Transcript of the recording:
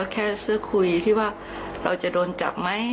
แค่เสื้อคุยที่ว่าเราจะโดนจับไหม